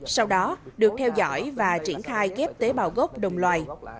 sau đó được theo dõi và triển khai ghép tế bào gốc đồng loài